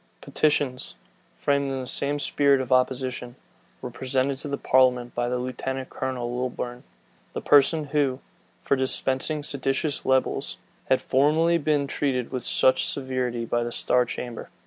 Petitions, framed in the same spirit of opposition, were presented to the parliament by Lieutenant Colonel Lilburn, the person who, for dispersing seditious libels, had formerly been treated with such severity by the star chamber.